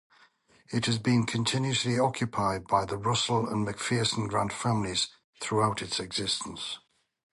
It has been continuously occupied by the Russell and Macpherson-Grant families throughout its existence.